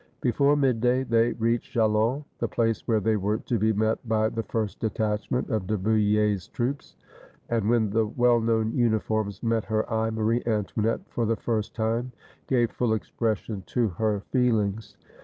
Before midday they reached Chalons, the place where they were to be met by the first detachment of De Bouille's troops, and, when the well known uniforms met her eye, Marie Antoinette for the first time gave full expression to her feelings.